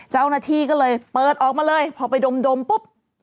เจ้าหน้าที่ก็เลยเปิดออกมาเลยพอไปดมปุ๊บ